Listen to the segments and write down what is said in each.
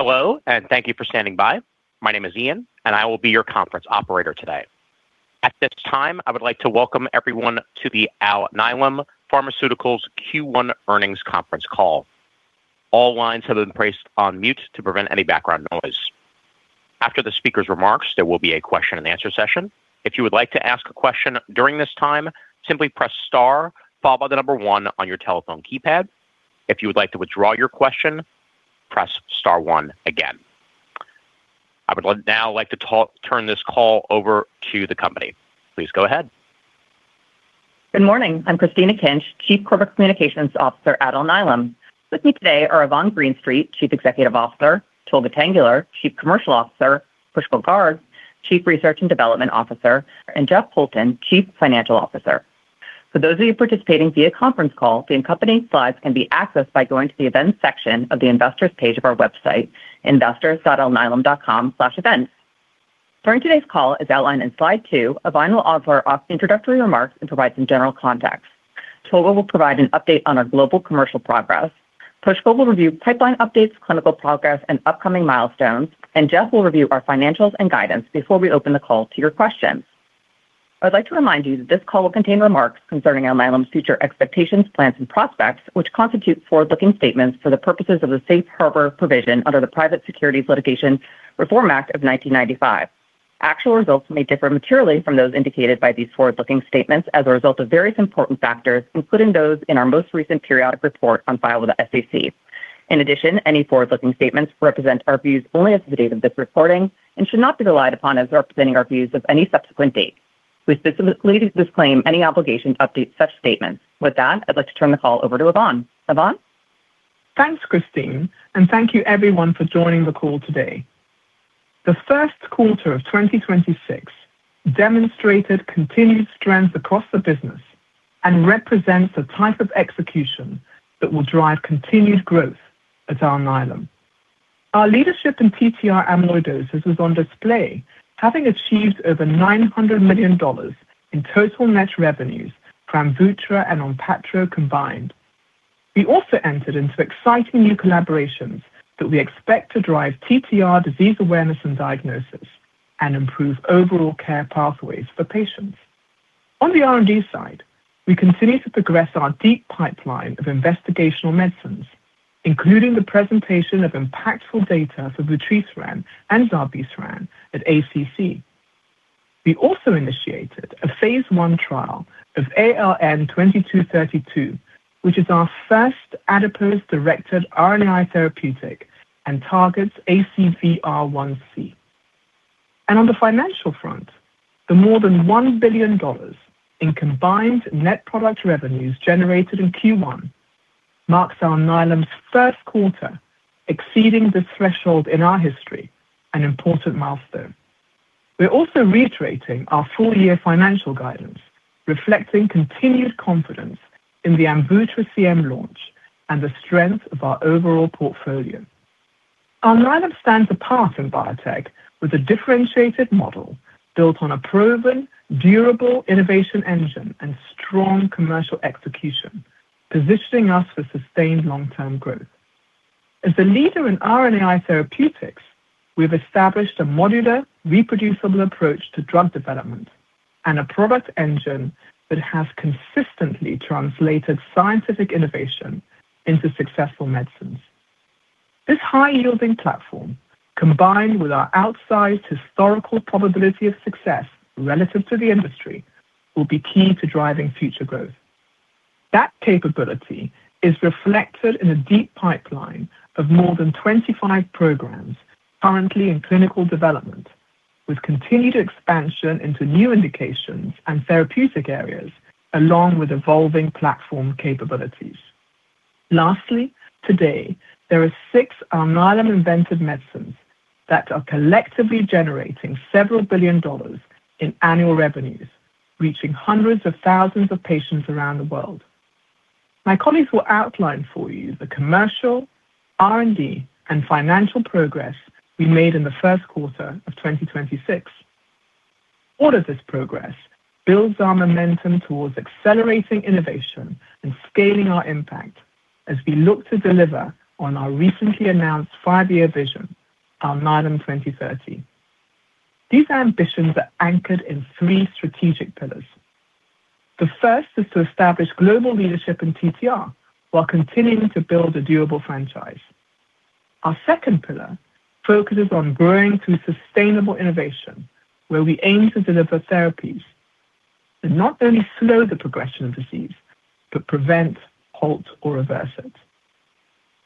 Hello, thank you for standing by. My name is Ian, I will be your conference operator today. At this time, I would like to welcome everyone to the Alnylam Pharmaceuticals Q1 earnings conference call. All lines have been placed on mute to prevent any background noise. After the speaker's remarks, there will be a question and answer session. If you would like to ask a question during this time, simply press star followed by one on your telephone keypad. If you would like to withdraw your question, press star one again. I would now like to turn this call over to the company. Please go ahead. Good morning. I'm Christine Akinc, Chief Corporate Communications Officer at Alnylam. With me today are Yvonne Greenstreet, Chief Executive Officer, Tolga Tanguler, Chief Commercial Officer, Pushkal Garg, Chief Research and Development Officer, and Jeff Poulton, Chief Financial Officer. For those of you participating via conference call, the accompanying slides can be accessed by going to the events section of the investors' page of our website, investors.alnylam.com/events. During today's call, as outlined in slide two, Yvonne will offer our introductory remarks and provide some general context. Tolga will provide an update on our global commercial progress. Pushkal will review pipeline updates, clinical progress, and upcoming milestones. Jeff will review our financials and guidance before we open the call to your questions. I'd like to remind you that this call will contain remarks concerning Alnylam's future expectations, plans, and prospects, which constitute forward-looking statements for the purposes of the Safe Harbor provision under the Private Securities Litigation Reform Act of 1995. Actual results may differ materially from those indicated by these forward-looking statements as a result of various important factors, including those in our most recent periodic report on file with the SEC. In addition, any forward-looking statements represent our views only as of the date of this recording and should not be relied upon as representing our views of any subsequent date. We specifically disclaim any obligation to update such statements. With that, I'd like to turn the call over to Yvonne. Yvonne? Thanks, Christine, and thank you everyone for joining the call today. The first quarter of 2026 demonstrated continued strength across the business and represents the type of execution that will drive continued growth at Alnylam. Our leadership in TTR amyloidosis was on display, having achieved over $900 million in total net revenues from AMVUTTRA and ONPATTRO combined. We also entered into exciting new collaborations that we expect to drive TTR disease awareness and diagnosis and improve overall care pathways for patients. On the R&D side, we continue to progress our deep pipeline of investigational medicines, including the presentation of impactful data for vutrisiran and zilebesiran at ACC. We also initiated a phase I trial of ALN-2232, which is our first adipose-directed RNA therapeutic and targets ACVR1C. On the financial front, the more than $1 billion in combined net product revenues generated in Q1 marks Alnylam's first quarter exceeding this threshold in our history, an important milestone. We're also reiterating our full-year financial guidance, reflecting continued confidence in the AMVUTTRA CM launch and the strength of our overall portfolio. Alnylam stands apart in biotech with a differentiated model built on a proven, durable innovation engine and strong commercial execution, positioning us for sustained long-term growth. As the leader in RNAi therapeutics, we've established a modular, reproducible approach to drug development and a product engine that has consistently translated scientific innovation into successful medicines. This high-yielding platform, combined with our outsized historical probability of success relative to the industry, will be key to driving future growth. That capability is reflected in a deep pipeline of more than 25 programs currently in clinical development, with continued expansion into new indications and therapeutic areas along with evolving platform capabilities. Lastly, today there are six Alnylam-invented medicines that are collectively generating several billion dollars in annual revenues, reaching hundreds of thousands of patients around the world. My colleagues will outline for you the commercial, R&D, and financial progress we made in the first quarter of 2026. All of this progress builds our momentum towards accelerating innovation and scaling our impact as we look to deliver on our recently announced five-year vision, Alnylam 2030. These ambitions are anchored in three strategic pillars. The first is to establish global leadership in TTR while continuing to build a durable franchise. Our second pillar focuses on growing through sustainable innovation, where we aim to deliver therapies that not only slow the progression of disease but prevent, halt, or reverse it.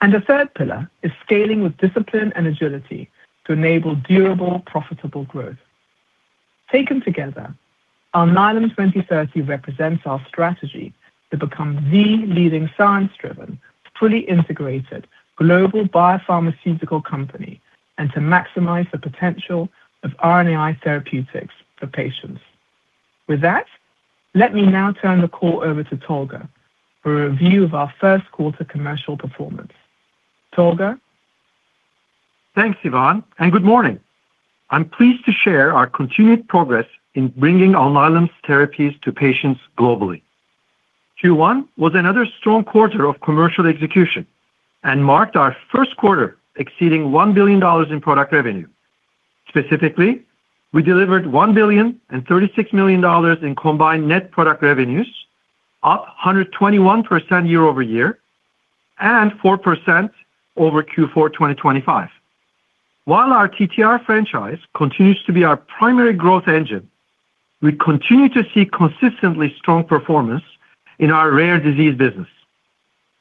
The third pillar is scaling with discipline and agility to enable durable, profitable growth. Taken together, Alnylam 2030 represents our strategy to become the leading science-driven, fully integrated global biopharmaceutical company and to maximize the potential of RNAi therapeutics for patients. With that, let me now turn the call over to Tolga for a review of our first quarter commercial performance. Tolga? Thanks, Yvonne, and good morning. I'm pleased to share our continued progress in bringing Alnylam's therapies to patients globally. Q1 was another strong quarter of commercial execution and marked our first quarter exceeding $1 billion in product revenue. Specifically, we delivered $1.036 billion in combined net product revenues, up 121% year-over-year, and 4% over Q4 2025. While our TTR franchise continues to be our primary growth engine, we continue to see consistently strong performance in our rare disease business.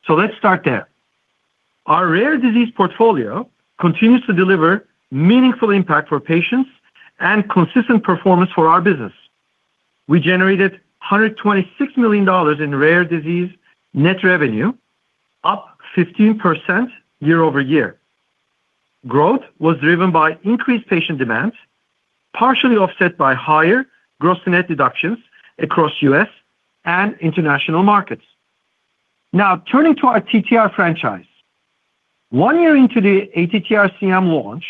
Let's start there. Our rare disease portfolio continues to deliver meaningful impact for patients and consistent performance for our business. We generated $126 million in rare disease net revenue, up 15% year-over-year. Growth was driven by increased patient demand, partially offset by higher gross net deductions across U.S. and international markets. Turning to our TTR franchise. One year into the ATTR-CM launch,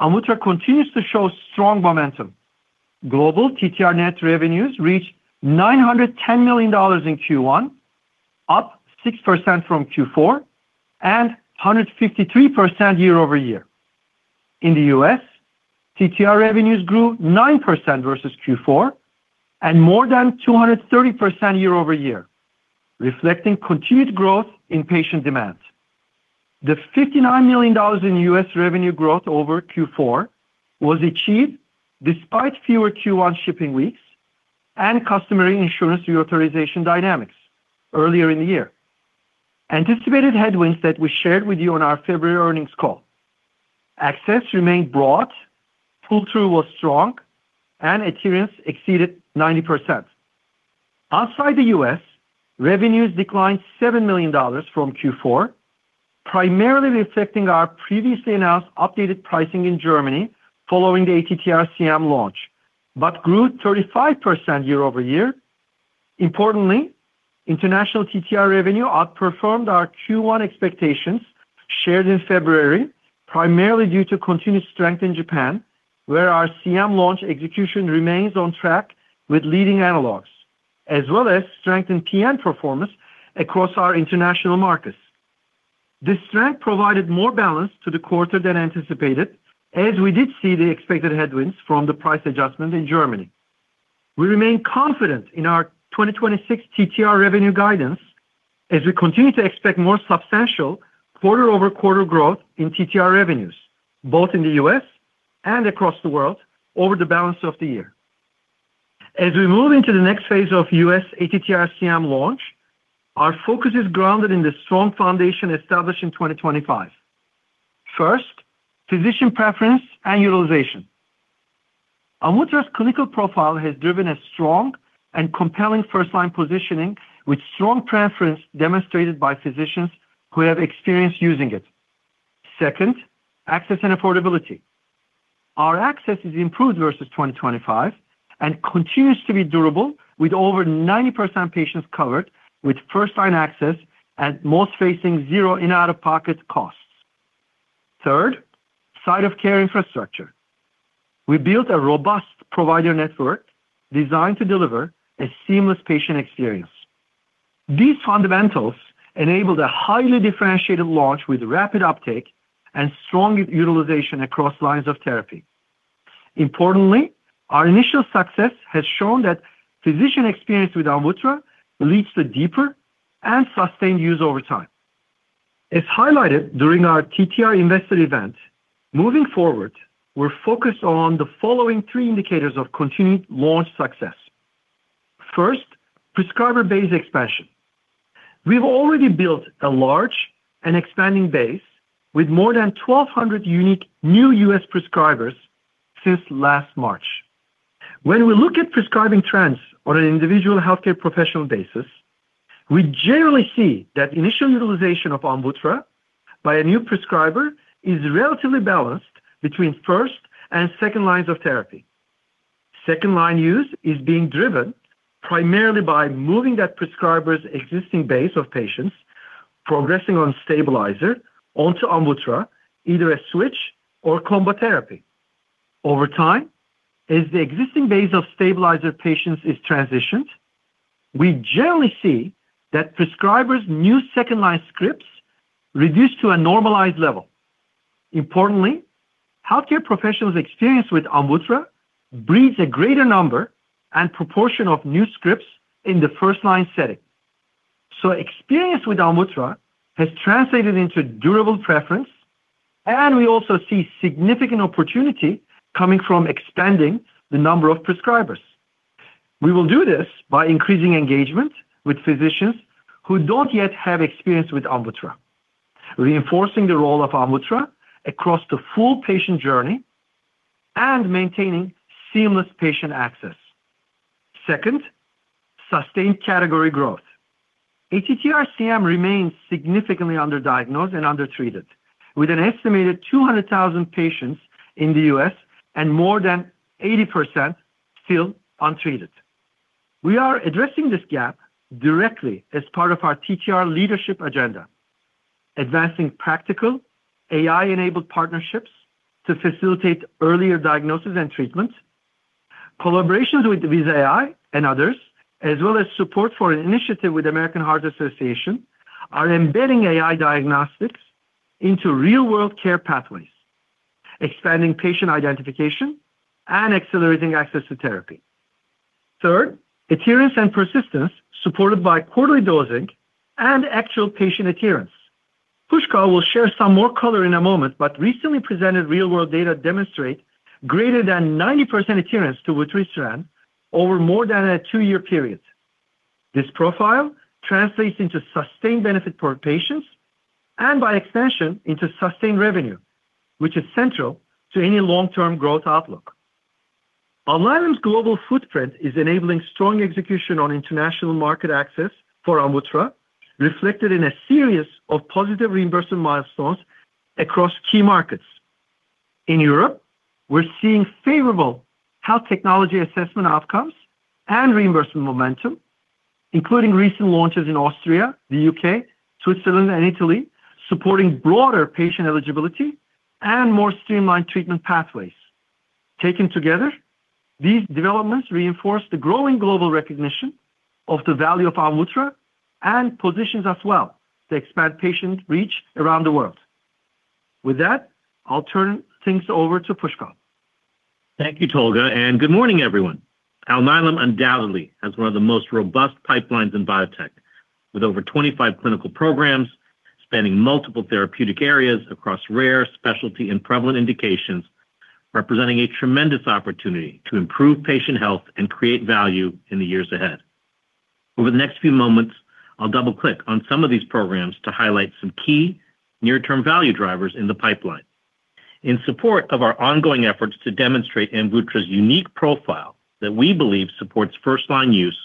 AMVUTTRA continues to show strong momentum. Global TTR net revenues reached $910 million in Q1, up 6% from Q4, and 153% year-over-year. In the U.S., TTR revenues grew 9% versus Q4 and more than 230% year-over-year, reflecting continued growth in patient demand. The $59 million in U.S. revenue growth over Q4 was achieved despite fewer Q1 shipping weeks and customer insurance reauthorization dynamics earlier in the year. Anticipated headwinds that we shared with you on our February earnings call. Access remained broad, pull-through was strong, and adherence exceeded 90%. Outside the U.S., revenues declined $7 million from Q4, primarily reflecting our previously announced updated pricing in Germany following the ATTR-CM launch, but grew 35% year-over-year. Importantly, international TTR revenue outperformed our Q1 expectations shared in February, primarily due to continued strength in Japan, where our CM launch execution remains on track with leading analogs, as well as strength in TN performance across our international markets. This strength provided more balance to the quarter than anticipated, as we did see the expected headwinds from the price adjustment in Germany. We remain confident in our 2026 TTR revenue guidance as we continue to expect more substantial quarter-over-quarter growth in TTR revenues, both in the U.S. and across the world over the balance of the year. As we move into the next phase of U.S. ATTR-CM launch, our focus is grounded in the strong foundation established in 2025. First, physician preference and utilization. AMVUTTRA's clinical profile has driven a strong and compelling first-line positioning with strong preference demonstrated by physicians who have experience using it. Second, access and affordability. Our access is improved versus 2025 and continues to be durable with over 90% patients covered with first-line access and most facing zero in out-of-pocket costs. Third, site of care infrastructure. We built a robust provider network designed to deliver a seamless patient experience. These fundamentals enabled a highly differentiated launch with rapid uptake and strong utilization across lines of therapy. Importantly, our initial success has shown that physician experience with AMVUTTRA leads to deeper and sustained use over time. As highlighted during our TTR investor event, moving forward, we're focused on the following three indicators of continued launch success. First, prescriber base expansion. We've already built a large and expanding base with more than 1,200 unique new U.S. prescribers since last March. When we look at prescribing trends on an individual healthcare professional basis, we generally see that initial utilization of AMVUTTRA by a new prescriber is relatively balanced between first and second lines of therapy. Second-line use is being driven primarily by moving that prescriber's existing base of patients progressing on stabilizer onto AMVUTTRA, either a switch or combo therapy. Over time, as the existing base of stabilizer patients is transitioned, we generally see that prescribers' new second-line scripts reduce to a normalized level. Importantly, healthcare professionals' experience with AMVUTTRA breeds a greater number and proportion of new scripts in the first-line setting. Experience with AMVUTTRA has translated into durable preference, and we also see significant opportunity coming from expanding the number of prescribers. We will do this by increasing engagement with physicians who don't yet have experience with AMVUTTRA, reinforcing the role of AMVUTTRA across the full patient journey and maintaining seamless patient access. Second, sustained category growth. ATTR-CM remains significantly underdiagnosed and undertreated, with an estimated 200,000 patients in the U.S. and more than 80% still untreated. We are addressing this gap directly as part of our TTR leadership agenda. Advancing practical AI-enabled partnerships to facilitate earlier diagnosis and treatment. Collaborations with Viz.ai and others, as well as support for an initiative with American Heart Association are embedding AI diagnostics into real-world care pathways, expanding patient identification, and accelerating access to therapy. Third, adherence and persistence supported by quarterly dosing and actual patient adherence. Pushkal will share some more color in a moment, but recently presented real-world data demonstrate greater than 90% adherence to vutrisiran over more than a two-year period. This profile translates into sustained benefit for patients and by extension, into sustained revenue, which is central to any long-term growth outlook. Alnylam's global footprint is enabling strong execution on international market access for AMVUTTRA, reflected in a series of positive reimbursement milestones across key markets. In Europe, we're seeing favorable health technology assessment outcomes and reimbursement momentum, including recent launches in Austria, the U.K., Switzerland, and Italy, supporting broader patient eligibility and more streamlined treatment pathways. Taken together, these developments reinforce the growing global recognition of the value of AMVUTTRA and positions us well to expand patient reach around the world. With that, I'll turn things over to Pushkal. Thank you, Tolga, and good morning, everyone. Alnylam undoubtedly has one of the most robust pipelines in biotech, with over 25 clinical programs spanning multiple therapeutic areas across rare specialty and prevalent indications, representing a tremendous opportunity to improve patient health and create value in the years ahead. Over the next few moments, I'll double-click on some of these programs to highlight some key near-term value drivers in the pipeline. In support of our ongoing efforts to demonstrate AMVUTTRA's unique profile that we believe supports first-line use,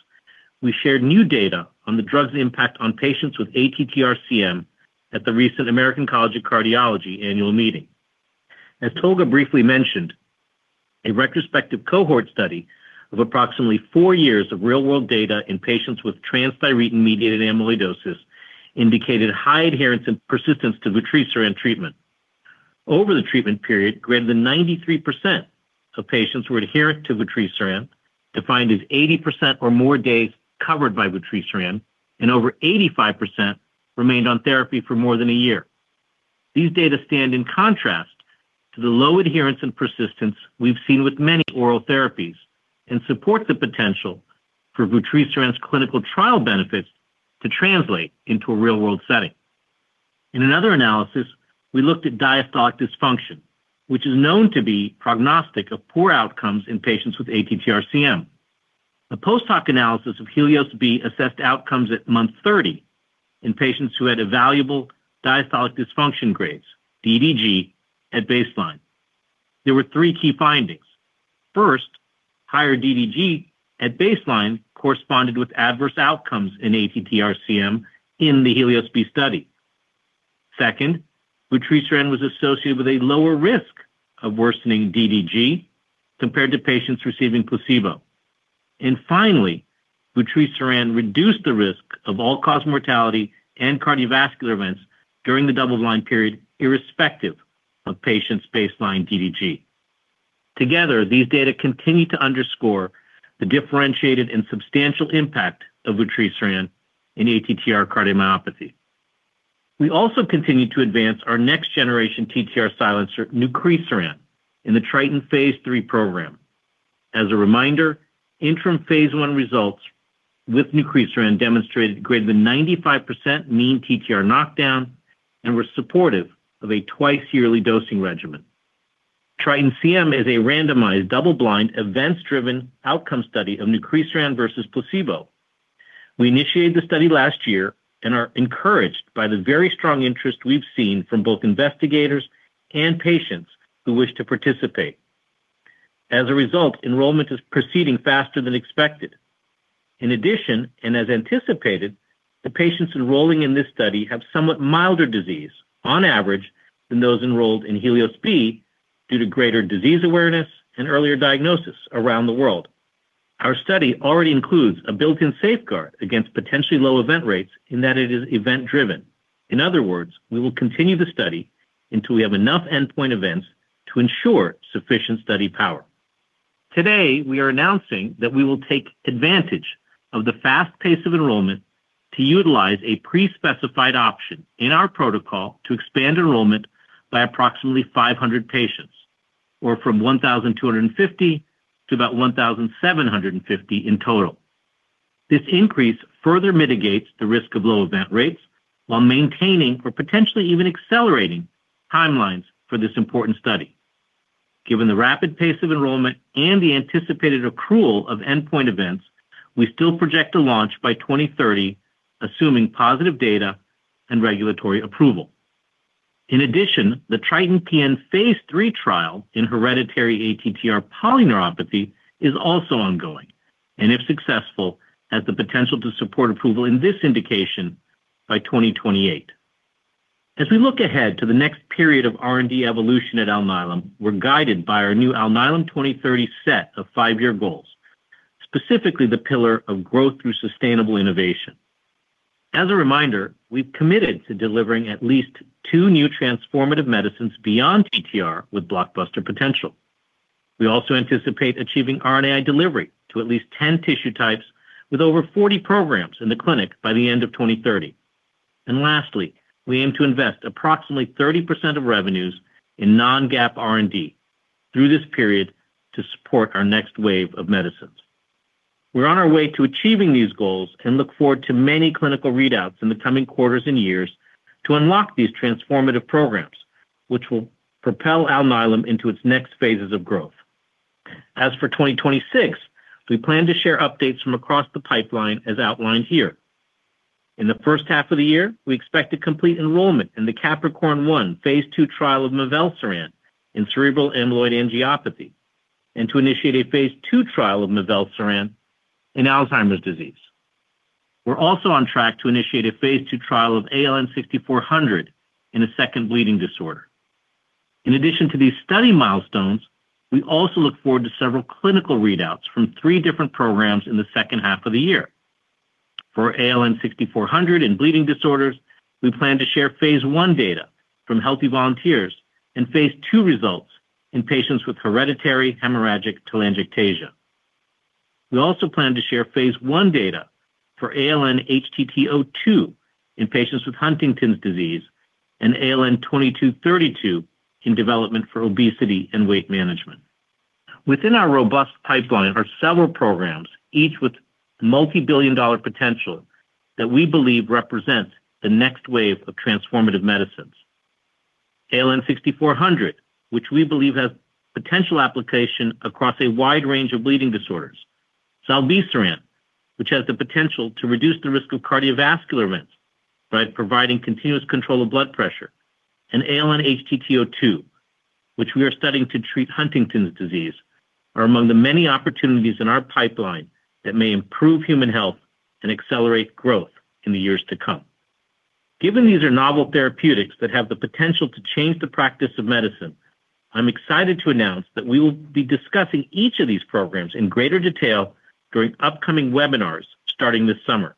we shared new data on the drug's impact on patients with ATTR-CM at the recent American College of Cardiology annual meeting. As Tolga briefly mentioned, a retrospective cohort study of approximately four years of real-world data in patients with transthyretin-mediated amyloidosis indicated high adherence and persistence to vutrisiran treatment. Over the treatment period, greater than 93% of patients were adherent to vutrisiran, defined as 80% or more days covered by vutrisiran, and over 85% remained on therapy for more than one year. These data stand in contrast to the low adherence and persistence we've seen with many oral therapies and support the potential for vutrisiran's clinical trial benefits to translate into a real-world setting. In another analysis, we looked at diastolic dysfunction, which is known to be prognostic of poor outcomes in patients with ATTR-CM. A post-hoc analysis of HELIOS-B assessed outcomes at month 30 in patients who had evaluable diastolic dysfunction grades, DDG, at baseline. There were three key findings. First, higher DDG at baseline corresponded with adverse outcomes in ATTR-CM in the HELIOS-B study. Second, vutrisiran was associated with a lower risk of worsening DDG compared to patients receiving placebo. Finally, vutrisiran reduced the risk of all-cause mortality and cardiovascular events during the double-blind period, irrespective of patients' baseline DDG. Together, these data continue to underscore the differentiated and substantial impact of vutrisiran in ATTR-CM. We also continue to advance our next generation TTR silencer, nucresiran, in the TRITON phase III program. As a reminder, interim phase I results with nucresiran demonstrated greater than 95% mean TTR knockdown and were supportive of a twice-yearly dosing regimen. TRITON-CM is a randomized, double-blind, events-driven outcome study of nucresiran versus placebo. We initiated the study last year and are encouraged by the very strong interest we've seen from both investigators and patients who wish to participate. As a result, enrollment is proceeding faster than expected. In addition, as anticipated, the patients enrolling in this study have somewhat milder disease on average than those enrolled in HELIOS-B due to greater disease awareness and earlier diagnosis around the world. Our study already includes a built-in safeguard against potentially low event rates in that it is event-driven. In other words, we will continue the study until we have enough endpoint events to ensure sufficient study power. Today, we are announcing that we will take advantage of the fast pace of enrollment to utilize a pre-specified option in our protocol to expand enrollment by approximately 500 patients or from 1,250 to about 1,750 in total. This increase further mitigates the risk of low event rates while maintaining or potentially even accelerating timelines for this important study. Given the rapid pace of enrollment and the anticipated accrual of endpoint events, we still project a launch by 2030, assuming positive data and regulatory approval. The TRITON-PN phase III trial in hereditary ATTR polyneuropathy is also ongoing, and if successful, has the potential to support approval in this indication by 2028. As we look ahead to the next period of R&D evolution at Alnylam, we're guided by our new Alnylam 2030 set of five-year goals. Specifically, the pillar of growth through sustainable innovation. As a reminder, we've committed to delivering at least two new transformative medicines beyond TTR with blockbuster potential. We also anticipate achieving RNAi delivery to at least 10 tissue types with over 40 programs in the clinic by the end of 2030. Lastly, we aim to invest approximately 30% of revenues in non-GAAP R&D through this period to support our next wave of medicines. We're on our way to achieving these goals and look forward to many clinical readouts in the coming quarters and years to unlock these transformative programs, which will propel Alnylam into its next phases of growth. As for 2026, we plan to share updates from across the pipeline as outlined here. In the first half of the year, we expect to complete enrollment in the cAPPricorn-1 phase II trial of mivelsiran in cerebral amyloid angiopathy and to initiate a phase II trial of mivelsiran in Alzheimer's disease. We're also on track to initiate a phase II trial of ALN-6400 in a second bleeding disorder. In addition to these study milestones, we also look forward to several clinical readouts from three different programs in the second half of the year. For ALN-6400 in bleeding disorders, we plan to share phase I data from healthy volunteers and phase II results in patients with hereditary hemorrhagic telangiectasia. We also plan to share phase I data for ALN-HTT02 in patients with Huntington's disease and ALN-2232 in development for obesity and weight management. Within our robust pipeline are several programs, each with multi-billion dollar potential that we believe represent the next wave of transformative medicines. ALN-6400, which we believe has potential application across a wide range of bleeding disorders, zilebesiran, which has the potential to reduce the risk of cardiovascular events by providing continuous control of blood pressure, and ALN-HTT02, which we are studying to treat Huntington's disease, are among the many opportunities in our pipeline that may improve human health and accelerate growth in the years to come. Given these are novel therapeutics that have the potential to change the practice of medicine, I'm excited to announce that we will be discussing each of these programs in greater detail during upcoming webinars starting this summer.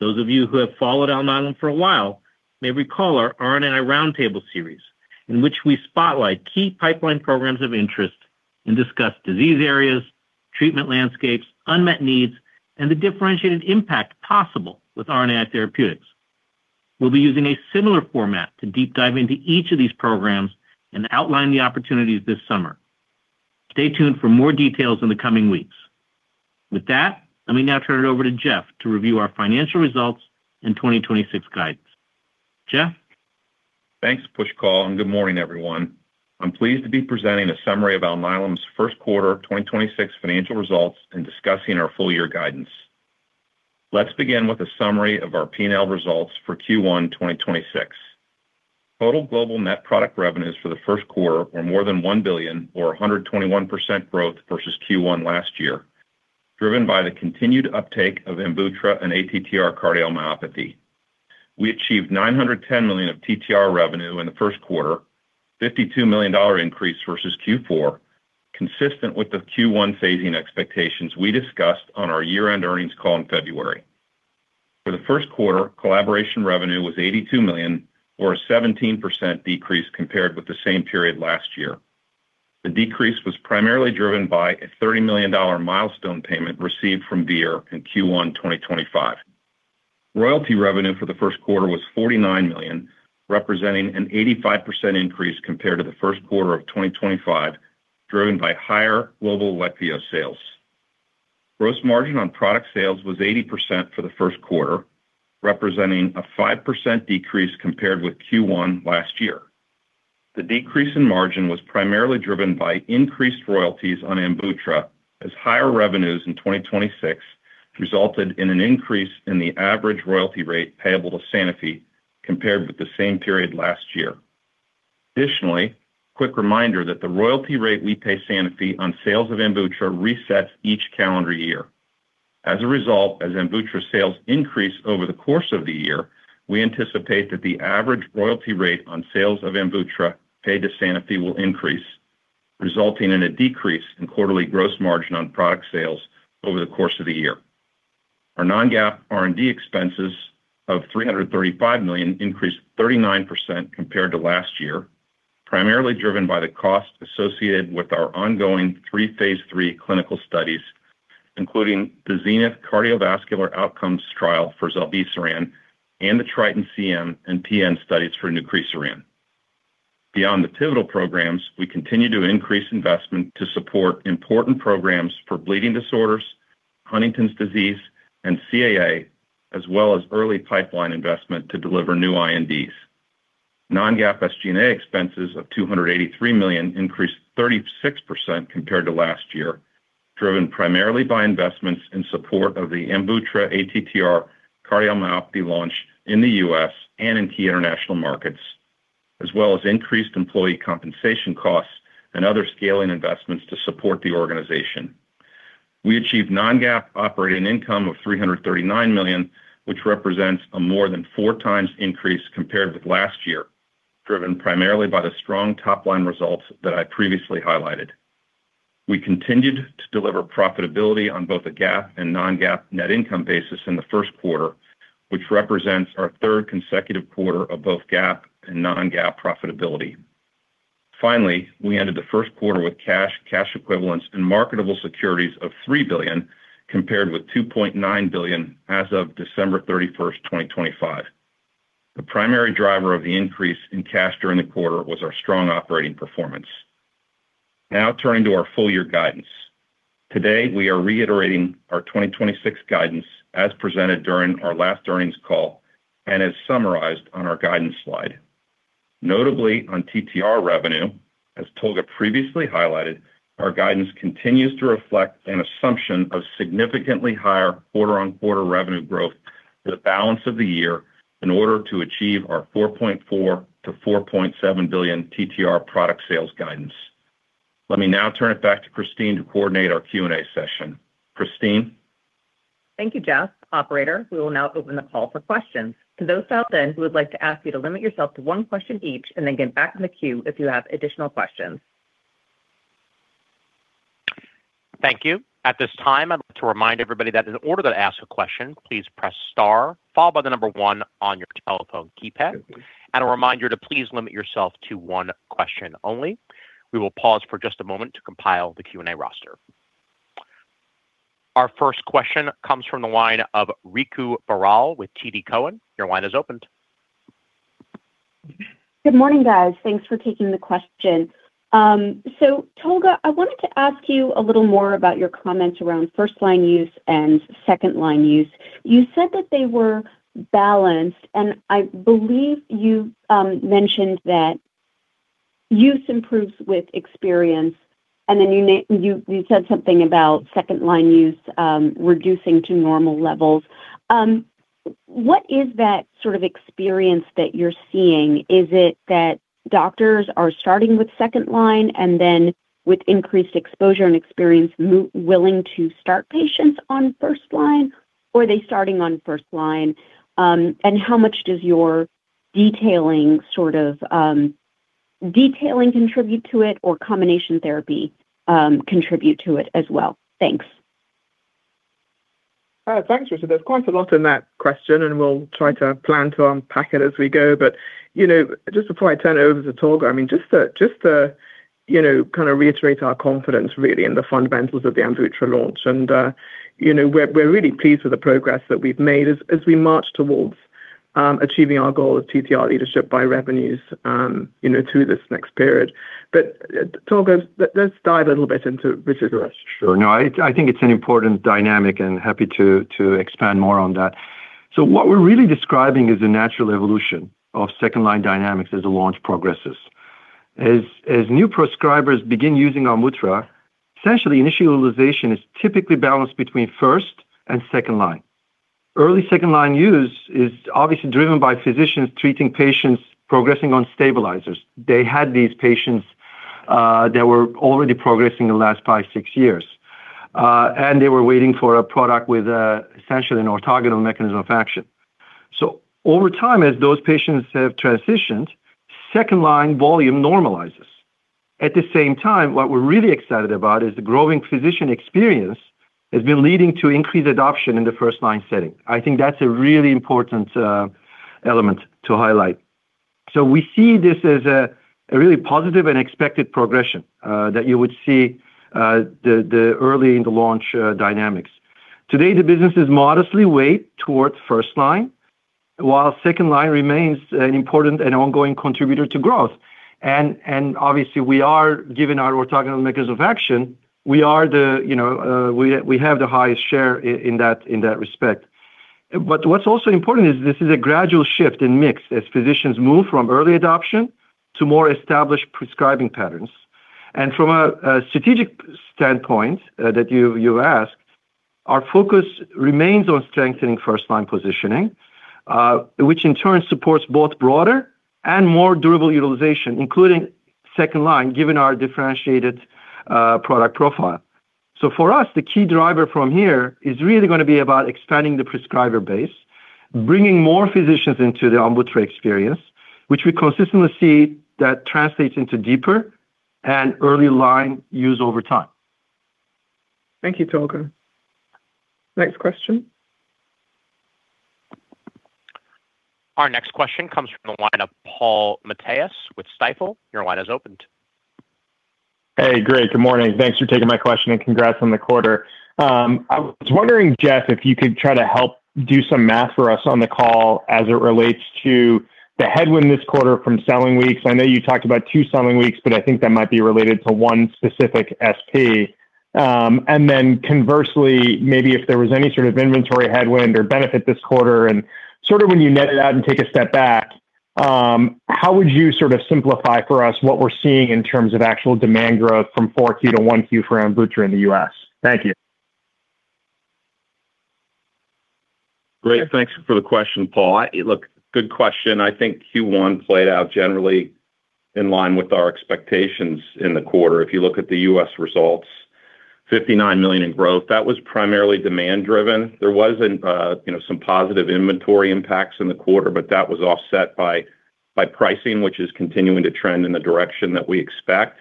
Those of you who have followed Alnylam for a while may recall our RNAi Roundtable series, in which we spotlight key pipeline programs of interest and discuss disease areas, treatment landscapes, unmet needs, and the differentiated impact possible with RNA therapeutics. We'll be using a similar format to deep dive into each of these programs and outline the opportunities this summer. Stay tuned for more details in the coming weeks. With that, let me now turn it over to Jeff to review our financial results and 2026 guidance. Jeff? Thanks, Pushkal. Good morning, everyone. I'm pleased to be presenting a summary of Alnylam's first quarter 2026 financial results and discussing our full year guidance. Let's begin with a summary of our P&L results for Q1 2026. Total global net product revenues for the first quarter were more than $1 billion or 121% growth versus Q1 last year, driven by the continued uptake of AMVUTTRA and ATTR-CM. We achieved $910 million of TTR revenue in the first quarter, a $52 million increase versus Q4, consistent with the Q1 phasing expectations we discussed on our year-end earnings call in February. For the first quarter, collaboration revenue was $82 million or a 17% decrease compared with the same period last year. The decrease was primarily driven by a $30 million milestone payment received from Vir in Q1 2025. Royalty revenue for the first quarter was $49 million, representing an 85% increase compared to the first quarter of 2025, driven by higher global AMVUTTRA sales. Gross margin on product sales was 80% for the first quarter, representing a 5% decrease compared with Q1 last year. The decrease in margin was primarily driven by increased royalties on AMVUTTRA as higher revenues in 2026 resulted in an increase in the average royalty rate payable to Sanofi compared with the same period last year. Quick reminder that the royalty rate we pay Sanofi on sales of AMVUTTRA resets each calendar year. As a result, as AMVUTTRA sales increase over the course of the year, we anticipate that the average royalty rate on sales of AMVUTTRA paid to Sanofi will increase, resulting in a decrease in quarterly gross margin on product sales over the course of the year. Our non-GAAP R&D expenses of $335 million increased 39% compared to last year, primarily driven by the cost associated with our ongoing three phase III clinical studies, including the ZENITH cardiovascular outcomes trial for zilebesiran and the TRITON-CM and TRITON-PN studies for nucresiran. Beyond the pivotal programs, we continue to increase investment to support important programs for bleeding disorders, Huntington's disease, and CAA, as well as early pipeline investment to deliver new INDs. Non-GAAP SG&A expenses of $283 million increased 36% compared to last year, driven primarily by investments in support of the AMVUTTRA ATTR cardiomyopathy launch in the U.S. and in key international markets, as well as increased employee compensation costs and other scaling investments to support the organization. We achieved non-GAAP operating income of $339 million, which represents a more than four times increase compared with last year. Driven primarily by the strong top-line results that I previously highlighted. We continued to deliver profitability on both a GAAP and non-GAAP net income basis in the first quarter, which represents our third consecutive quarter of both GAAP and non-GAAP profitability. We ended the first quarter with cash equivalents, and marketable securities of $3 billion, compared with $2.9 billion as of December 31st, 2025. The primary driver of the increase in cash during the quarter was our strong operating performance. Turning to our full year guidance. Today, we are reiterating our 2026 guidance as presented during our last earnings call and as summarized on our guidance slide. Notably, on TTR revenue, as Tolga previously highlighted, our guidance continues to reflect an assumption of significantly higher quarter-on-quarter revenue growth for the balance of the year in order to achieve our $4.4 billion-$4.7 billion TTR product sales guidance. Let me now turn it back to Christine to coordinate our Q&A session. Christine? Thank you, Jeff. Operator, we will now open the call for questions. To those out there, we would like to ask you to limit yourself to one question each and then get back in the queue if you have additional questions. Thank you. At this time, I'd like to remind everybody that in order to ask a question, please press star, followed by the one on your telephone keypad. A reminder to please limit yourself to one question only. We will pause for just a moment to compile the Q&A roster. Our first question comes from the line of Ritu Baral with TD Cowen. Your line is opened. Good morning, guys. Thanks for taking the question. Tolga, I wanted to ask you a little more about your comments around first-line use and second-line use. You said that they were balanced, and I believe you mentioned that use improves with experience, and then you said something about second-line use reducing to normal levels. What is that sort of experience that you're seeing? Is it that doctors are starting with second line and then with increased exposure and experience, willing to start patients on first line? Are they starting on first line? How much does your detailing sort of detailing contribute to it or combination therapy contribute to it as well? Thanks. Thanks, Ritu. There's quite a lot in that question, and we'll try to plan to unpack it as we go. you know, just before I turn it over to Tolga, I mean, just to, you know, kind of reiterate our confidence really in the fundamentals of the AMVUTTRA launch. you know, we're really pleased with the progress that we've made as we march towards achieving our goal of TTR leadership by revenues, you know, through this next period. Tolga, let's dive a little bit into Ritu's rest. Sure. No, I think it's an important dynamic and happy to expand more on that. What we're really describing is the natural evolution of second-line dynamics as the launch progresses. As new prescribers begin using AMVUTTRA, essentially initialization is typically balanced between first- and second-line. Early second-line use is obviously driven by physicians treating patients progressing on stabilizers. They had these patients that were already progressing the last five, six years. And they were waiting for a product with essentially an orthogonal mechanism of action. Over time, as those patients have transitioned, second-line volume normalizes. At the same time, what we're really excited about is the growing physician experience has been leading to increased adoption in the first-line setting. I think that's a really important element to highlight. We see this as a really positive and expected progression that you would see the early in the launch dynamics. Today, the business is modestly weighed towards first line, while second line remains an important and ongoing contributor to growth. Obviously, we are given our orthogonal mechanism of action, we are the, you know, we have the highest share in that respect. What's also important is this is a gradual shift in mix as physicians move from early adoption to more established prescribing patterns. From a strategic standpoint that you've asked, our focus remains on strengthening first-line positioning, which in turn supports both broader and more durable utilization, including second line, given our differentiated product profile. For us, the key driver from here is really gonna be about expanding the prescriber base, bringing more physicians into the AMVUTTRA experience, which we consistently see that translates into deeper and early line use over time. Thank you, Tolga. Next question. Our next question comes from the line of Paul Matteis with Stifel. Your line is opened. Hey, great. Good morning. Thanks for taking my question, and congrats on the quarter. I was wondering, Jeff, if you could try to help do some math for us on the call as it relates to the headwind this quarter from selling weeks. I know you talked about two selling weeks, but I think that might be related to one specific SP. Then conversely, maybe if there was any sort of inventory headwind or benefit this quarter and sort of when you net it out and take a step back, how would you sort of simplify for us what we're seeing in terms of actual demand growth from 4Q to 1Q for AMVUTTRA in the U.S.? Thank you. Great. Thanks for the question, Paul. Look, good question. I think Q1 played out generally in line with our expectations in the quarter. If you look at the U.S. results. $59 million in growth. That was primarily demand-driven. There was, you know, some positive inventory impacts in the quarter, but that was offset by pricing, which is continuing to trend in the direction that we expect.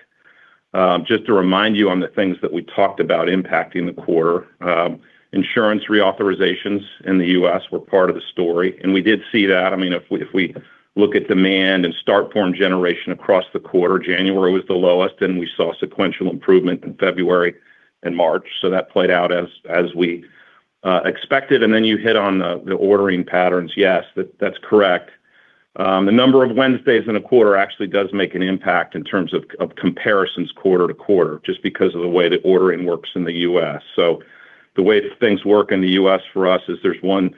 Just to remind you on the things that we talked about impacting the quarter, insurance reauthorizations in the U.S. were part of the story, and we did see that. I mean, if we, if we look at demand and start form generation across the quarter, January was the lowest, then we saw sequential improvement in February and March. That played out as we expected. Then you hit on the ordering patterns. Yes, that's correct. The number of Wednesdays in a quarter actually does make an impact in terms of comparisons quarter to quarter just because of the way the ordering works in the U.S. The way that things work in the U.S. for us is there's one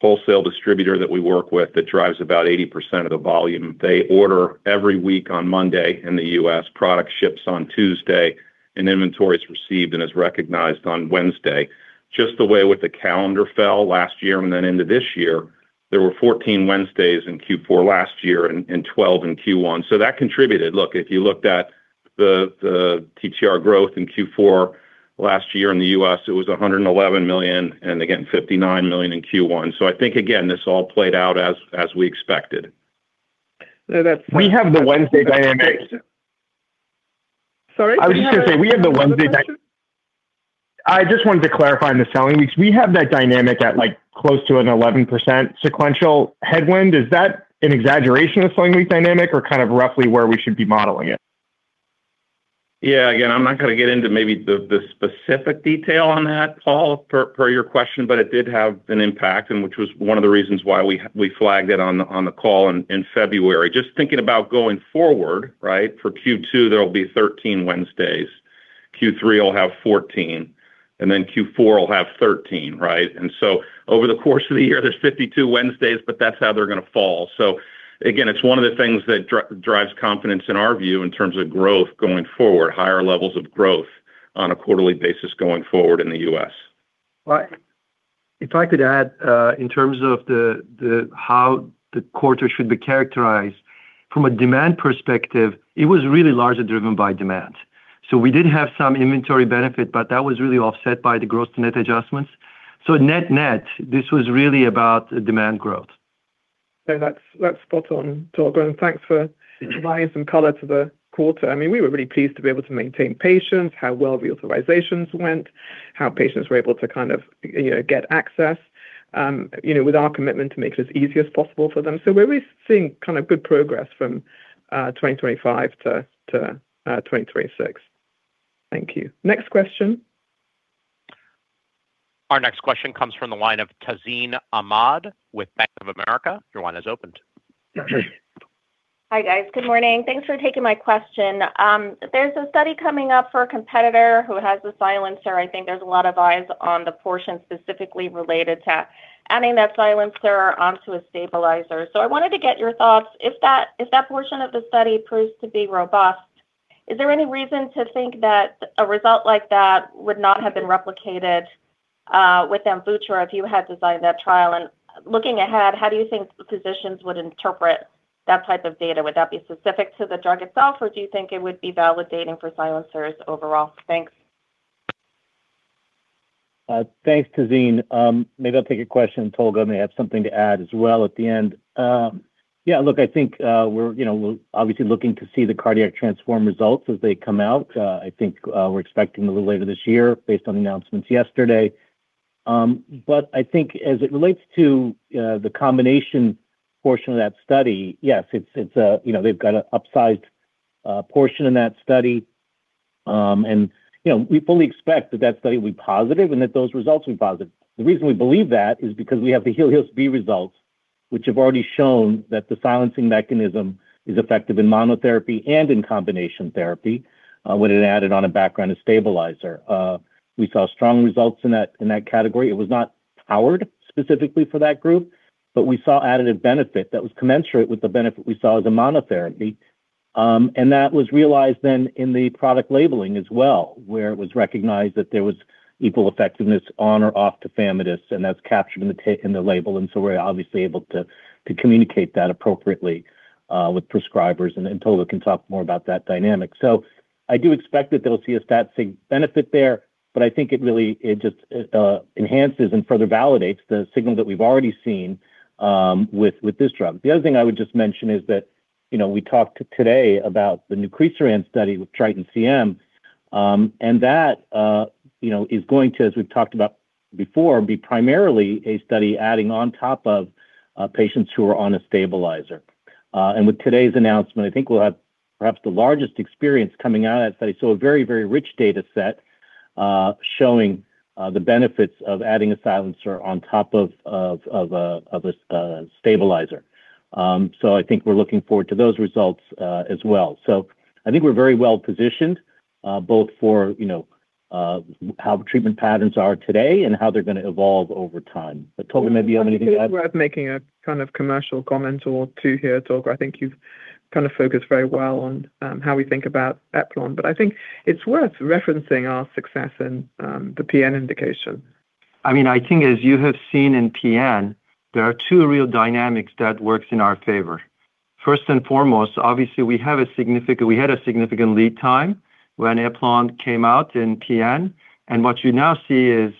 wholesale distributor that we work with that drives about 80% of the volume. They order every week on Monday in the U.S., product ships on Tuesday, and inventory is received and is recognized on Wednesday. Just the way with the calendar fell last year and then into this year, there were 14 Wednesdays in Q4 last year and 12 in Q1. That contributed. Look, if you looked at the TTR growth in Q4 last year in the U.S., it was $111 million, and again, $59 million in Q1. I think again, this all played out as we expected. No, that's fine. We have the Wednesday dynamics. Sorry? I was just gonna say, we have the Wednesday. I just wanted to clarify on the selling weeks. We have that dynamic at, like, close to an 11% sequential headwind. Is that an exaggeration of selling week dynamic or kind of roughly where we should be modeling it? Yeah. Again, I'm not going to get into maybe the specific detail on that, Paul, per your question, but it did have an impact and which was one of the reasons why we flagged it on the call in February. Just thinking about going forward, right? For Q2, there will be 13 Wednesdays. Q3 will have 14, and then Q4 will have 13, right? Over the course of the year there is 52 Wednesdays, but that is how they are going to fall. Again, it is one of the things that drives confidence in our view in terms of growth going forward, higher levels of growth on a quarterly basis going forward in the U.S. Well, if I could add, in terms of how the quarter should be characterized. From a demand perspective, it was really largely driven by demand. We did have some inventory benefit, but that was really offset by the gross to net adjustments. Net-net, this was really about demand growth. No, that's spot on, Tolga. Thanks for providing some color to the quarter. I mean, we were really pleased to be able to maintain patients, how well the authorizations went, how patients were able to kind of, you know, get access, you know, with our commitment to make this as easy as possible for them. We're really seeing kind of good progress from 2025 to 2026. Thank you. Next question. Our next question comes from the line of Tazeen Ahmad with Bank of America. Your line is opened. Hi, guys. Good morning. Thanks for taking my question. There's a study coming up for a competitor who has a silencer. I think there's a lot of eyes on the portion specifically related to adding that silencer onto a stabilizer. So I wanted to get your thoughts. If that portion of the study proves to be robust, is there any reason to think that a result like that would not have been replicated with AMVUTTRA if you had designed that trial? Looking ahead, how do you think physicians would interpret that type of data? Would that be specific to the drug itself, or do you think it would be validating for silencers overall? Thanks. Thanks, Tazeen. Maybe I'll take a question, and Tolga may have something to add as well at the end. Yeah, look, I think, we're, you know, we're obviously looking to see the CARDIO-TTRansform results as they come out. I think, we're expecting a little later this year based on the announcements yesterday. I think as it relates to, the combination portion of that study, yes, it's, you know, they've got a up-sized portion in that study. You know, we fully expect that that study will be positive and that those results will be positive. The reason we believe that is because we have the HELIOS-B results, which have already shown that the silencing mechanism is effective in monotherapy and in combination therapy, when it added on a background of stabilizer. We saw strong results in that category. It was not powered specifically for that group, but we saw additive benefit that was commensurate with the benefit we saw as a monotherapy. That was realized then in the product labeling as well, where it was recognized that there was equal effectiveness on or off tafamidis, and that's captured in the label. We're obviously able to communicate that appropriately with prescribers, and Tolga can talk more about that dynamic. I do expect that they'll see a stat sig benefit there, but I think it really it just enhances and further validates the signal that we've already seen with this drug. The other thing I would just mention is that, you know, we talked today about the nucresiran study with TRITON-CM, and that, you know, is going to, as we've talked about before, be primarily a study adding on top of patients who are on a stabilizer. With today's announcement, I think we'll have perhaps the largest experience coming out of that study. A very, very rich data set, showing the benefits of adding a silencer on top of a stabilizer. I think we're looking forward to those results as well. I think we're very well-positioned, both for, you know, how treatment patterns are today and how they're gonna evolve over time. Tolga, maybe you have anything to add? I think it's worth making a kind of commercial comment or two here, Tolga. I think you've kind of focused very well on how we think about eplontersen, but I think it's worth referencing our success in the PN indication. I mean, I think as you have seen in PN, there are two real dynamics that work in our favor. First and foremost, obviously we had a significant lead time when eplontersen came out in PN. What you now see is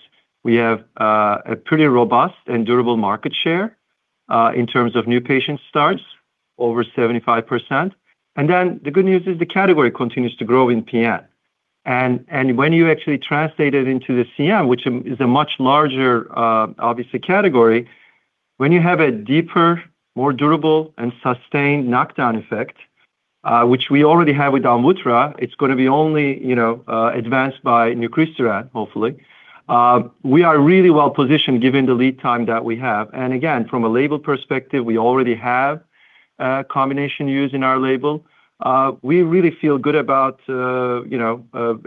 we have a pretty robust and durable market share in terms of new patient starts over 75%. The good news is the category continues to grow in PN. When you actually translate it into the CM, which is a much larger, obviously category, when you have a deeper, more durable and sustained knockdown effect, which we already have with AMVUTTRA, it's going to be only, you know, advanced by nucresiran, hopefully. We are really well-positioned given the lead time that we have. Again, from a label perspective, we already have a combination used in our label. We really feel good about, you know,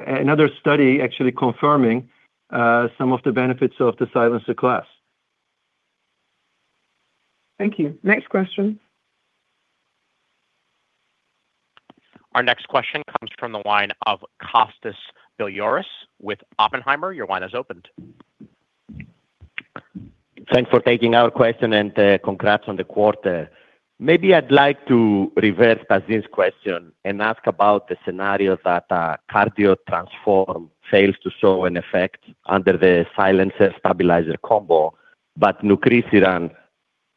another study actually confirming, some of the benefits of the silence of class. Thank you. Next question. Our next question comes from the line of Kostas Biliouris with Oppenheimer. Thanks for taking our question and congrats on the quarter. Maybe I'd like to reverse Tazeen's question and ask about the scenario that CARDIO-TTRansform fails to show an effect under the silence and stabilizer combo, but nucresiran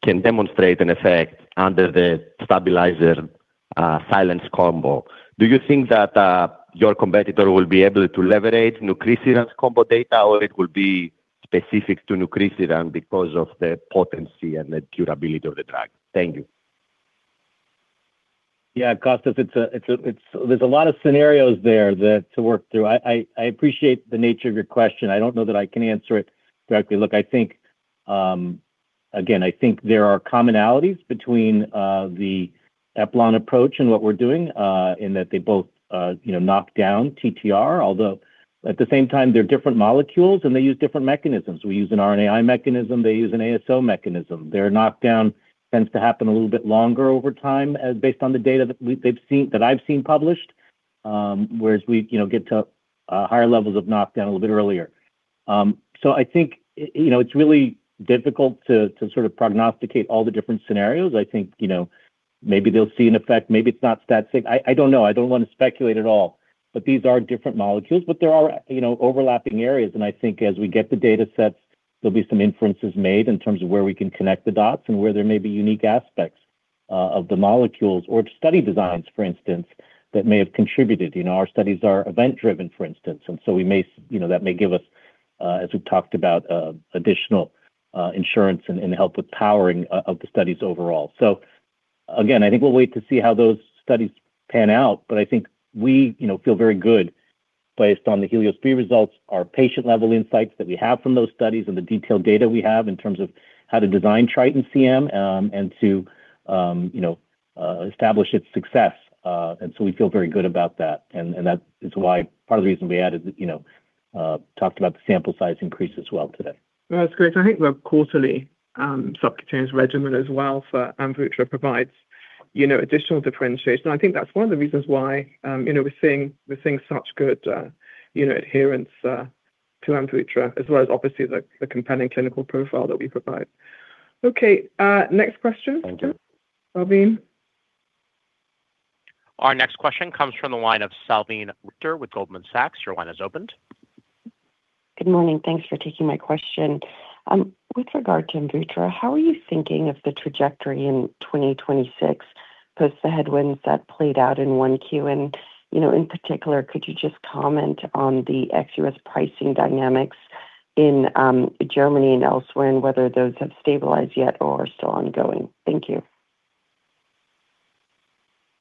can demonstrate an effect under the stabilizer, silence combo. Do you think that your competitor will be able to leverage nucresiran's combo data, or it will be specific to nucresiran because of the potency and the curability of the drug? Thank you. Yeah, Kostas, it's a lot of scenarios there that to work through. I appreciate the nature of your question. I don't know that I can answer it directly. Look, I think, again, I think there are commonalities between the eplontersen approach and what we're doing in that they both, you know, knock down TTR. Although at the same time, they're different molecules and they use different mechanisms. We use an RNAi mechanism, they use an ASO mechanism. Their knockdown tends to happen a little bit longer over time as based on the data that they've seen that I've seen published, whereas we, you know, get to higher levels of knockdown a little bit earlier. I think, you know, it's really difficult to sort of prognosticate all the different scenarios. I think, you know, maybe they'll see an effect. I don't know. I don't want to speculate at all. These are different molecules, but there are, you know, overlapping areas. I think as we get the data sets, there'll be some inferences made in terms of where we can connect the dots and where there may be unique aspects of the molecules or study designs, for instance, that may have contributed. You know, our studies are event-driven, for instance. We may, you know, that may give us, as we've talked about, additional insurance and help with powering of the studies overall. Again, I think we'll wait to see how those studies pan out. I think we, you know, feel very good based on the HELIOS-B results, our patient level insights that we have from those studies and the detailed data we have in terms of how to design TRITON-CM, and to, you know, establish its success. So we feel very good about that. That is why part of the reason we added, you know, talked about the sample size increase as well today. That's great. I think the quarterly subcutaneous regimen as well for AMVUTTRA provides, you know, additional differentiation. I think that's one of the reasons why, you know, we're seeing such good, you know, adherence to AMVUTTRA, as well as obviously the compelling clinical profile that we provide. Okay, next question. Thank you. Salveen. Our next question comes from the line of Salveen Richter with Goldman Sachs. Good morning. Thanks for taking my question. With regard to AMVUTTRA, how are you thinking of the trajectory in 2026 post the headwinds that played out in 1Q? You know, in particular, could you just comment on the ex-U.S. pricing dynamics in Germany and elsewhere, and whether those have stabilized yet or are still ongoing? Thank you.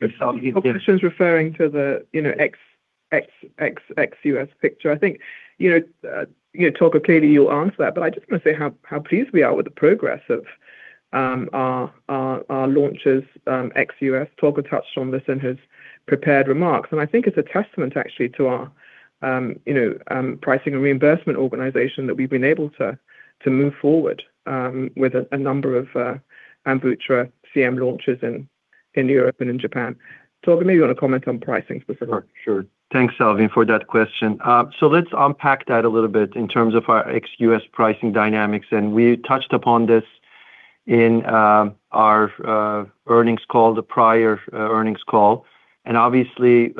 Yeah, Salveen. The question is referring to the, you know, ex-U.S. picture. I think, you know, Tolga, clearly, you'll answer that, but I just want to say how pleased we are with the progress of our launches ex-U.S. Tolga touched on this in his prepared remarks. I think it's a testament actually to our, you know, pricing and reimbursement organization that we've been able to move forward with a number of AMVUTTRA CM launches in Europe and in Japan. Tolga, maybe you want to comment on pricing specifically. Sure. Thanks, Salveen, for that question. Let's unpack that a little bit in terms of our ex-U.S. pricing dynamics. We touched upon this in our earnings call, the prior earnings call. Obviously,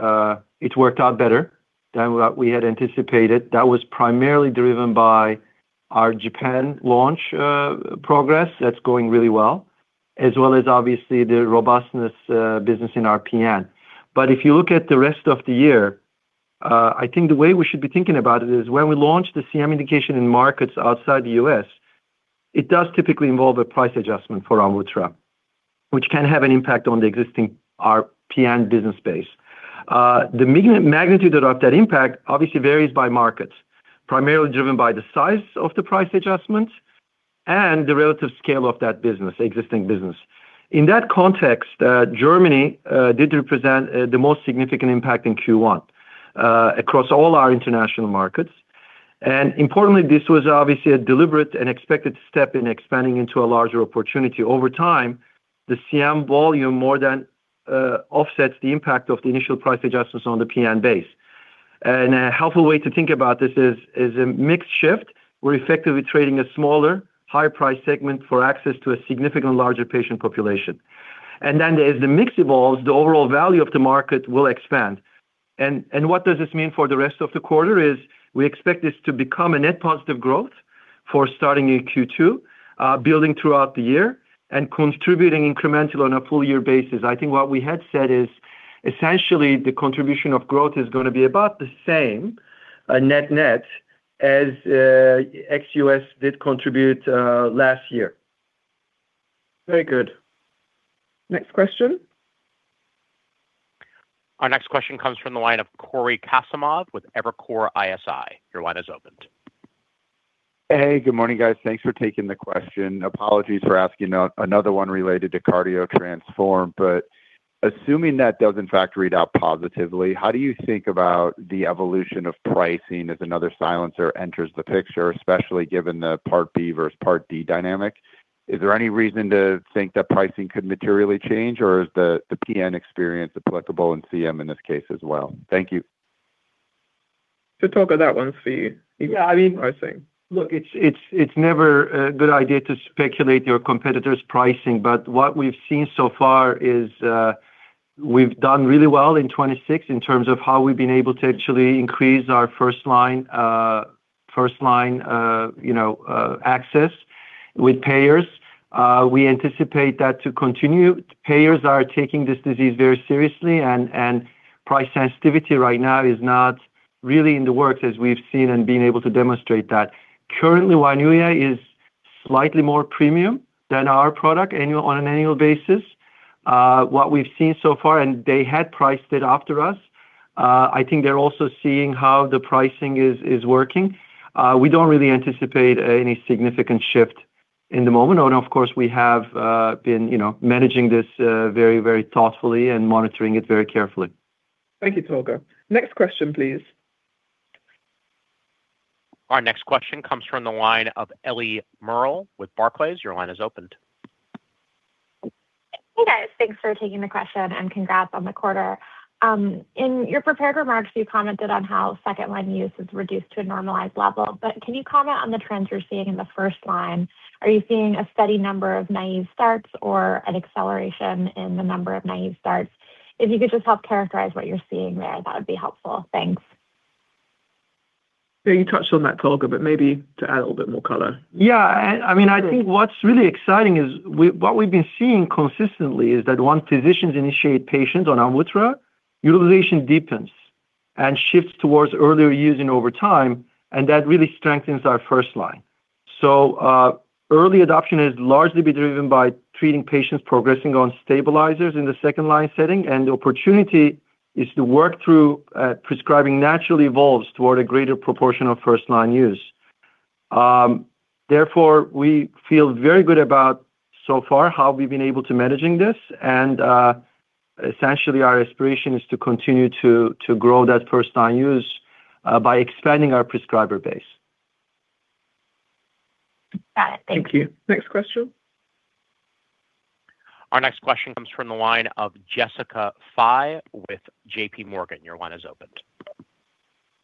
it worked out better than what we had anticipated. That was primarily driven by our Japan launch progress that's going really well, as well as obviously the robustness business in our PN. If you look at the rest of the year, I think the way we should be thinking about it is when we launch the CM indication in markets outside the U.S., it does typically involve a price adjustment for AMVUTTRA, which can have an impact on the existing our PN business base. The magnitude of that impact obviously varies by markets, primarily driven by the size of the price adjustment and the relative scale of that business, existing business. In that context, Germany did represent the most significant impact in Q1 across all our international markets. Importantly, this was obviously a deliberate and expected step in expanding into a larger opportunity over time. The CM volume more than offsets the impact of the initial price adjustments on the PN base. A helpful way to think about this is a mixed shift. We're effectively trading a smaller, higher price segment for access to a significant larger patient population. As the mix evolves, the overall value of the market will expand. What does this mean for the rest of the quarter is we expect this to become a net positive growth for starting in Q2, building throughout the year and contributing incremental on a full year basis. I think what we had said is essentially the contribution of growth is gonna be about the same, net-net as ex-U.S. did contribute last year. Very good. Next question. Our next question comes from the line of Cory Kasimov with Evercore ISI. Your line is opened. Hey, good morning, guys. Thanks for taking the question. Apologies for asking another one related to CARDIO-TTRansform. Assuming that does in fact read out positively, how do you think about the evolution of pricing as another silencer enters the picture, especially given the Part B versus Part D dynamic? Is there any reason to think that pricing could materially change, or is the PN experience applicable in CM in this case as well? Thank you. Tolga, that one's for you. Yeah, I mean. Pricing. Look, it's never a good idea to speculate your competitor's pricing. What we've seen so far is, we've done really well in 2026 in terms of how we've been able to actually increase our first line, you know, access with payers. We anticipate that to continue. Payers are taking this disease very seriously and price sensitivity right now is not really in the works as we've seen and been able to demonstrate that. Currently, Wainua is slightly more premium than our product on an annual basis. What we've seen so far, and they had priced it after us, I think they're also seeing how the pricing is working. We don't really anticipate any significant shift in the moment. Of course, we have, been, you know, managing this, very, very thoughtfully and monitoring it very carefully. Thank you, Tolga. Next question, please. Our next question comes from the line of Ellie Merle with Barclays. Your line is opened. Hey, guys. Thanks for taking the question and congrats on the quarter. In your prepared remarks, you commented on how second line use is reduced to a normalized level. Can you comment on the trends you're seeing in the first line? Are you seeing a steady number of naive starts or an acceleration in the number of naive starts? If you could just help characterize what you're seeing there, that would be helpful. Thanks. Yeah, you touched on that, Tolga, but maybe to add a little bit more color. Yeah. I mean, I think what's really exciting is what we've been seeing consistently is that once physicians initiate patients on AMVUTTRA, utilization deepens and shifts towards earlier using over time, and that really strengthens our first line. Early adoption has largely been driven by treating patients progressing on stabilizers in the second line setting, and the opportunity is to work through prescribing naturally evolves toward a greater proportion of first-line use. Therefore, we feel very good about so far how we've been able to managing this and essentially our aspiration is to continue to grow that first line use, by expanding our prescriber base. Got it. Thank you. Thank you. Next question. Our next question comes from the line of Jessica Fye with JPMorgan. Your line is opened.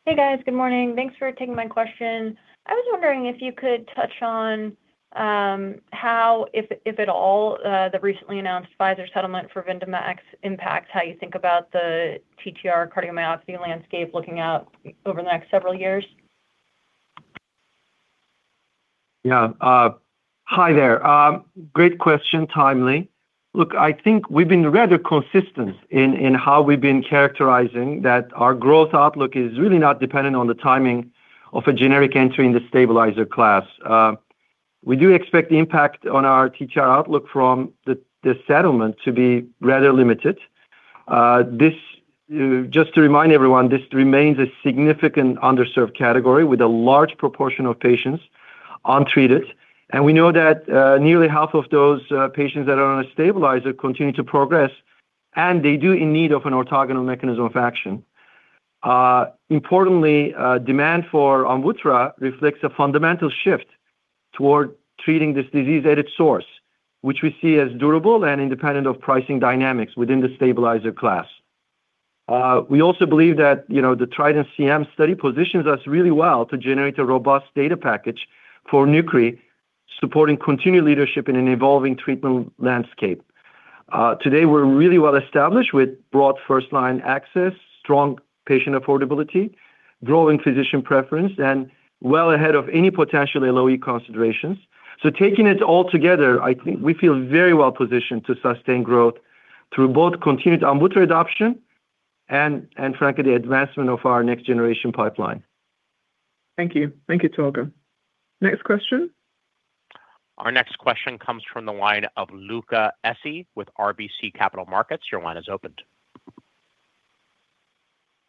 Hey, guys. Good morning. Thanks for taking my question. I was wondering if you could touch on how, if at all, the recently announced Pfizer settlement for VYNDAMAX impacts how you think about the TTR cardiomyopathy landscape looking out over the next several years. Yeah. Hi there. Great question. Timely. Look, I think we've been rather consistent in how we've been characterizing that our growth outlook is really not dependent on the timing of a generic entry in the stabilizer class. We do expect the impact on our TTR outlook from the settlement to be rather limited. Just to remind everyone, this remains a significant underserved category with a large proportion of patients untreated. We know that nearly half of those patients that are on a stabilizer continue to progress, and they do in need of an orthogonal mechanism of action. Importantly, demand for AMVUTTRA reflects a fundamental shift toward treating this disease at its source, which we see as durable and independent of pricing dynamics within the stabilizer class. We also believe that, you know, the TRITON-CM study positions us really well to generate a robust data package for nucresiran, supporting continued leadership in an evolving treatment landscape. Today we're really well established with broad first line access, strong patient affordability, growing physician preference, and well ahead of any potential LOE considerations. Taking it all together, I think we feel very well positioned to sustain growth through both continued AMVUTTRA adoption and frankly, the advancement of our next generation pipeline. Thank you. Thank you, Tolga. Next question. Our next question comes from the line of Luca Issi with RBC Capital Markets. Your line is opened.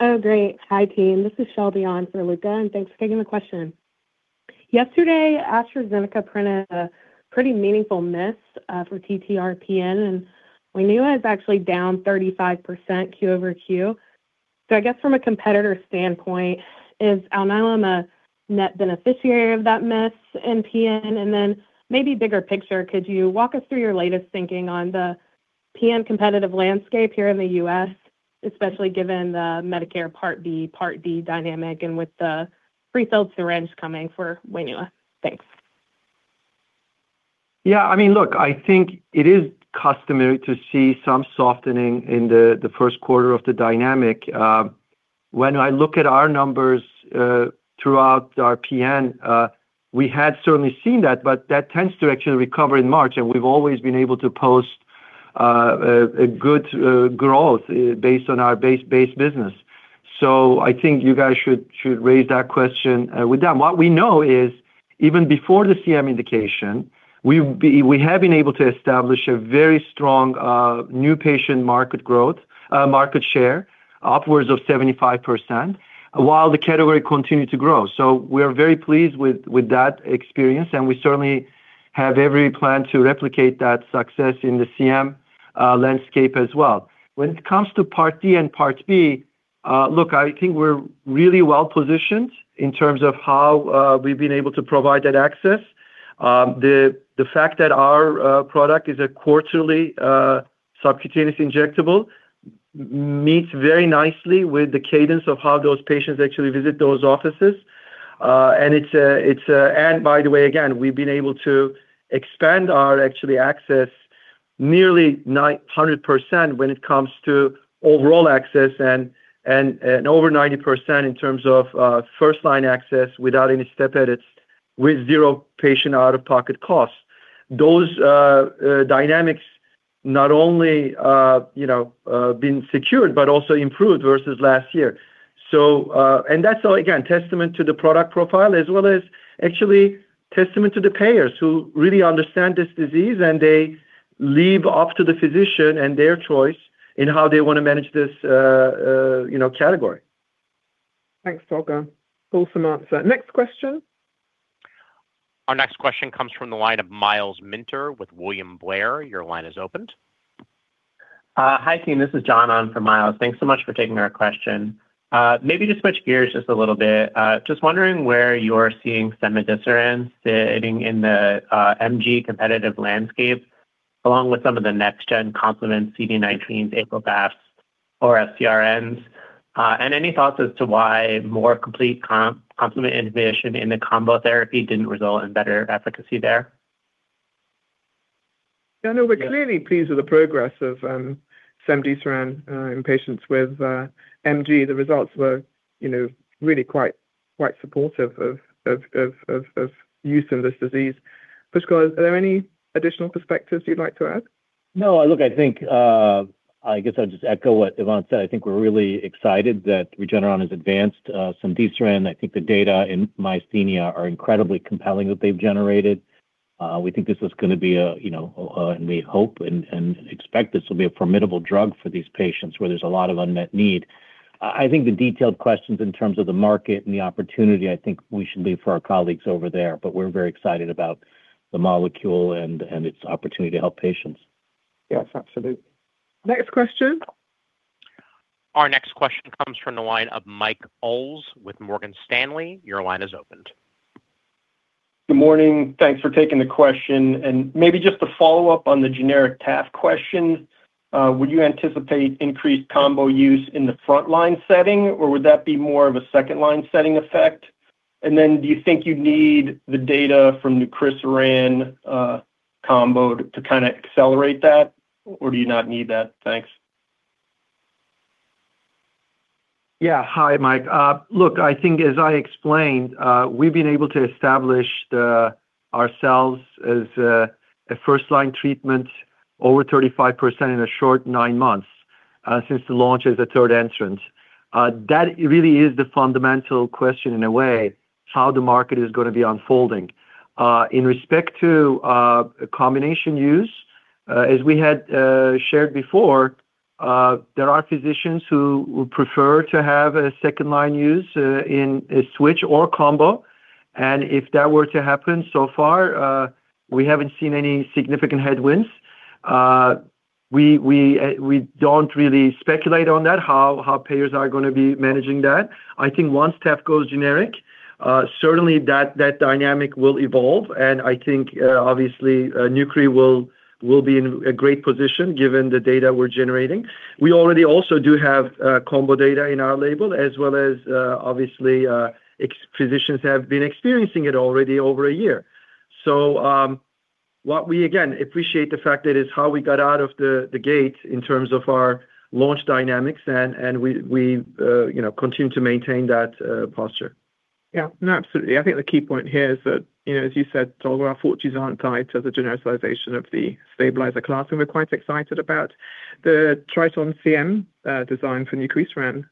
Oh, great. Hi, team. This is Shelby on for Luca, thanks for taking the question. Yesterday, AstraZeneca printed a pretty meaningful miss for ATTRv-PN. We knew it was actually down 35% QoQ. I guess from a competitor standpoint, is Alnylam a net beneficiary of that miss in PN? Maybe bigger picture, could you walk us through your latest thinking on the-PN competitive landscape here in the U.S., especially given the Medicare Part B, Part D dynamic and with the prefilled syringe coming for Wainua. Thanks I mean, look, I think it is customary to see some softening in the first quarter of the dynamic. When I look at our numbers, throughout our PN, we had certainly seen that, but that tends to actually recover in March, and we've always been able to post a good growth based on our base-based business. I think you guys should raise that question with them. What we know is even before the CM indication, we have been able to establish a very strong new patient market share upwards of 75% while the category continued to grow. We're very pleased with that experience, and we certainly have every plan to replicate that success in the CM landscape as well. When it comes to Part D and Part B, look, I think we're really well-positioned in terms of how we've been able to provide that access. The fact that our product is a quarterly subcutaneous injectable meets very nicely with the cadence of how those patients actually visit those offices. By the way, again, we've been able to expand our actually access nearly 900% when it comes to overall access and over 90% in terms of first-line access without any step edits with zero patient out-of-pocket costs. Those dynamics not only, you know, been secured, but also improved versus last year. That's all again, testament to the product profile as well as actually testament to the payers who really understand this disease, and they leave up to the physician and their choice in how they wanna manage this, you know, category. Thanks, Tolga. Awesome answer. Next question. Our next question comes from the line of Myles Minter with William Blair. Your line is opened. Hi, team. This is John on from Myles. Thanks so much for taking our question. Maybe to switch gears just a little bit. Just wondering where you're seeing cemdisiran sitting in the MG competitive landscape, along with some of the next gen complement CD19, APRIL/BAFF or siRNAs? Any thoughts as to why more complete complement inhibition in the combo therapy didn't result in better efficacy there? No, no, we're clearly pleased with the progress of cemdisiran in patients with MG. The results were, you know, really quite supportive of use in this disease. Pushkal, are there any additional perspectives you'd like to add? No. Look, I think, I guess I'll just echo what Yvonne said. I think we're really excited that Regeneron has advanced, cemdisiran. I think the data in myasthenia are incredibly compelling that they've generated. We think this is gonna be a, you know, and we hope and expect this will be a formidable drug for these patients where there's a lot of unmet need. I think the detailed questions in terms of the market and the opportunity, I think we should leave for our colleagues over there, but we're very excited about the molecule and its opportunity to help patients. Yes, absolutely. Next question. Our next question comes from the line of Mike Ulz with Morgan Stanley. Your line is opened. Good morning. Thanks for taking the question. Maybe just to follow up on the generic tafamidis question, would you anticipate increased combo use in the front-line setting, or would that be more of a second-line setting effect? Do you think you need the data from the nucresiran combo to kinda accelerate that, or do you not need that? Thanks. Yeah. Hi, Mike. Look, I think as I explained, we've been able to establish ourselves as a first-line treatment over 35% in a short nine months since the launch as a third entrant. That really is the fundamental question in a way, how the market is going to be unfolding. In respect to combination use, as we had shared before, there are physicians who would prefer to have a second-line use in a switch or combo. If that were to happen so far, we haven't seen any significant headwinds. We don't really speculate on that, how payers are going to be managing that. I think once tafamidis goes generic, certainly that dynamic will evolve. I think, obviously, nucresiran will be in a great position given the data we're generating. We already also do have combo data in our label, as well as, obviously, ex-physicians have been experiencing it already over a year. What we again appreciate the fact that is how we got out of the gate in terms of our launch dynamics and we, you know, continue to maintain that posture. Yeah. No, absolutely. I think the key point here is that, as you said, Tolga, our fortunes aren't tied to the genericization of the stabilizer class, and we're quite excited about the TRITON-CM design for nucresiran,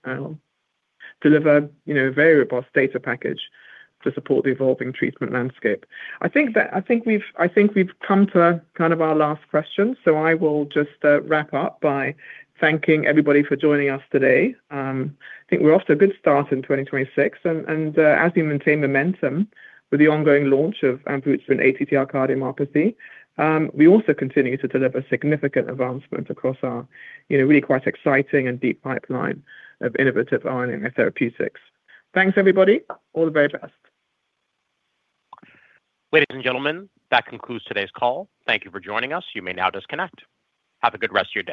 deliver a very robust data package to support the evolving treatment landscape. I think we've come to kind of our last question. I will just wrap up by thanking everybody for joining us today. I think we're off to a good start in 2026. As we maintain momentum with the ongoing launch of AMVUTTRA ATTR cardiomyopathy, we also continue to deliver significant advancement across our really quite exciting and deep pipeline of innovative RNA therapeutics. Thanks, everybody. All the very best. Ladies and gentlemen, that concludes today's call. Thank you for joining us. You may now disconnect. Have a good rest of your day.